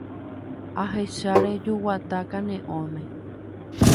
Ahecha reju guata kane'õme.